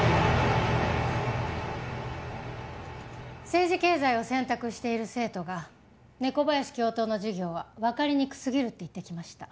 政治経済を選択している生徒が猫林教頭の授業はわかりにくすぎるって言ってきました。